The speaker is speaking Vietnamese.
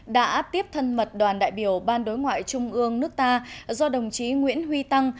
đã tiếp thân mật đoàn đại biểu ban đối ngoại trung ương nước ta do đồng chí nguyễn huy tăng